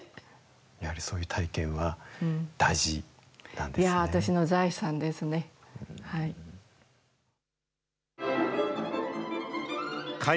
やはりそういう体験は大事なんですか？